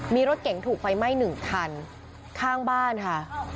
มีรถเก๋งถูกไฟไหม้หนึ่งคันข้างบ้านค่ะ